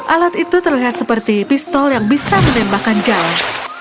alat itu terlihat seperti pistol yang bisa menembakkan jalan